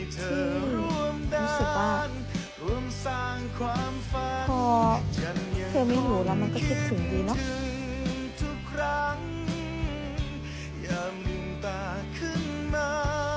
ทุกครั้งอย่าลืมตาขึ้นมา